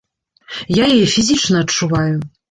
Я яе фізічна адчуваю.